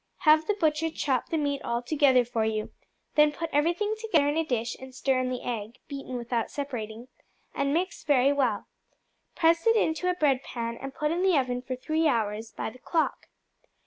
Have the butcher chop the meat all together for you; then put everything together in a dish and stir in the egg, beaten without separating, and mix very well. Press it into a bread pan and put in the oven for three hours by the clock.